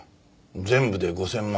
全部で５０００万。